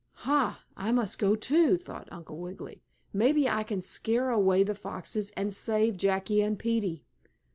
"Ha! I must go, too!" thought Uncle Wiggily. "Maybe I can scare away the foxes, and save Jackie and Peetie."